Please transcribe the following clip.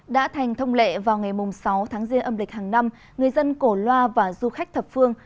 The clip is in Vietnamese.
đã thành thông lệ vào ngày sáu tháng riêng âm lịch hàng năm người dân cổ loa và du khách thập phương